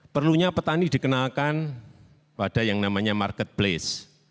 perlunya petani dikenalkan pada yang namanya marketplace